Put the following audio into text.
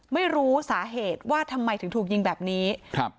ไม่รู้สาเหตุว่าทำไมถึงถูกยิงแบบนี้ครับ